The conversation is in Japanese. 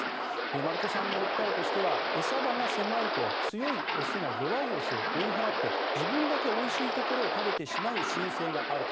丸子さんの訴えとしては餌場が狭いと強い雄が弱い雄を追い払って自分だけおいしいところを食べてしまう習性があると。